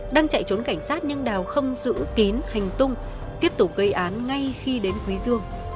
đang chạy trốn cảnh sát nhưng đào không giữ kín hành tung tiếp tục gây án ngay khi đến quý dương